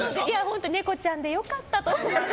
猫ちゃんでよかったと思って。